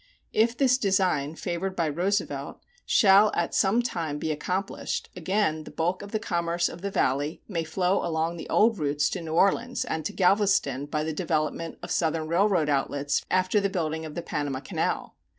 If this design, favored by Roosevelt, shall at some time be accomplished, again the bulk of the commerce of the Valley may flow along the old routes to New Orleans; and to Galveston by the development of southern railroad outlets after the building of the Panama Canal.